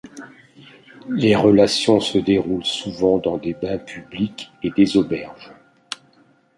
Les relations se déroulent souvent dans des bains publics et des auberges.